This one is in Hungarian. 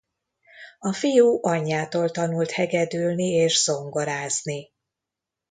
A fiú anyjától tanult hegedülni és zongorázni.